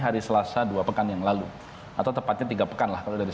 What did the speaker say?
jadi saya upaya lebih loyal